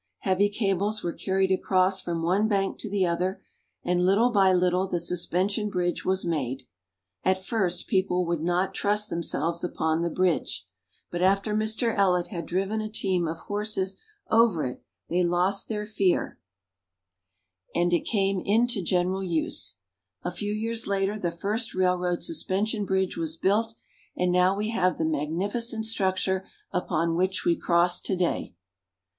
Heavy cables were carried across from one bank to the other, and little by little the suspension bridge was made. At first people would not trust themselves upon the bridge ; but after Mr. Ellet had driven a team of horses over it, they lost their fear, and it Steel Arch Bridge across the Niagara. 202 THE GREAT LAKES. came into general use. A few years later the first railroad suspension bridge was built, and now we have the mag nificent structure upon which we cross to day.